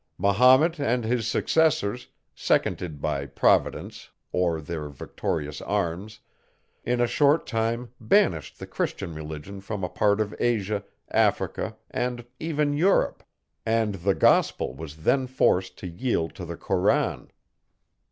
Mahomet and his successors, seconded by Providence or their victorious arms, in a short time banished the Christian religion from a part of Asia, Africa, and even Europe; and the gospel was then forced to yield to the Koran.